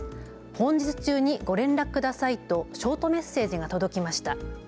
本日中にご連絡くださいとショートメッセージが届きました。